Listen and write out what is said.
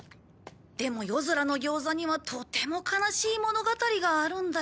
でも夜空の餃子にはとても悲しい物語があるんだよ。